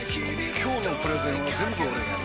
今日のプレゼンは全部俺がやる！